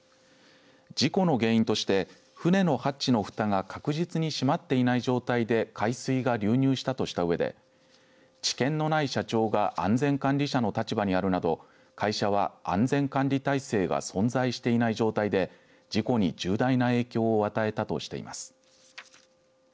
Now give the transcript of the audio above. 事故の原因として船のハッチのふたが確実に閉まっていない状態で海水が流入したとしたうえで知見のない社長が安全管理者の立場にあるなど会社は安全管理体制が存在していない状態で事故に重大な影響を与えたとしています。